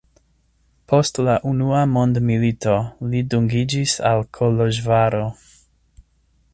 Post la unua mondmilito li dungiĝis al Koloĵvaro.